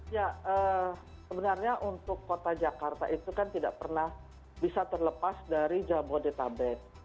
ya sebenarnya untuk kota jakarta itu kan tidak pernah bisa terlepas dari jabodetabek